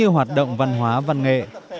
hoạt động văn hóa văn nghệ